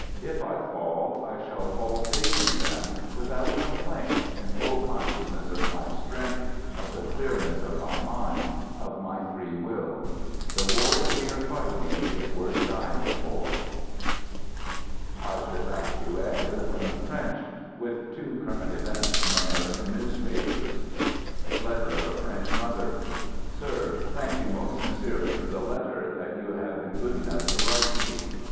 If I fall, I shall fall facing them, without complaint, in full consciousness of my strength, of the clearness of my mind, of my free will. The war that we are fight ing is worth dying for. " Lettres du Front," par Victor Giraud. Revue des Deux Mondes. Digitized by " PAGES ACTUELLES " FROM THE FRENCH, With two "current events" from American newspapers (Letter of a French mother) Sir: Thank you most sincerely for the letter that \ you have been good enough to write me.